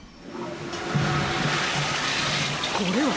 これは。